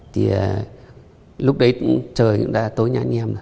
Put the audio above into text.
thì lúc đấy trời cũng đã tối nhà anh em